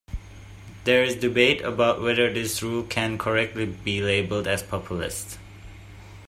There is debate about whether his rule can correctly be labelled as populist.